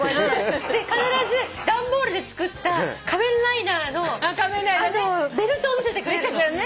で必ず段ボールで作った仮面ライダーのベルトを見せてくれるの。